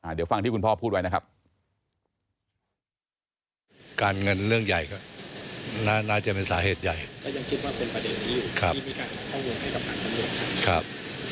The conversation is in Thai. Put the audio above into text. เดี๋ยวฟังที่คุณพ่อพูดไว้นะครับ